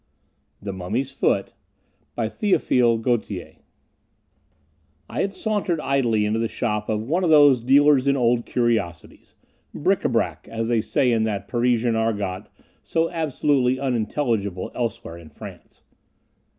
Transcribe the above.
The Mummy's Foot By THÉOPHILE GAUTIER I had sauntered idly into the shop of one of those dealers in old curiosities "bric à brac" as they say in that Parisian argot, so absolutely unintelligible elsewhere in France.